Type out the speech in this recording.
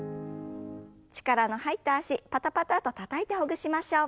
力の入った脚パタパタッとたたいてほぐしましょう。